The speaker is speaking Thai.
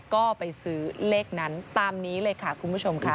ก็ไปซื้อเลขนั้นตามนี้เลยค่ะคุณผู้ชมค่ะ